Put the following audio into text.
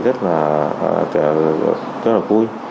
rất là vui